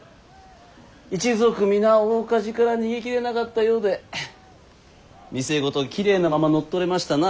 一族皆大火事から逃げきれなかったようで店ごときれいなまま乗っ取れましたな。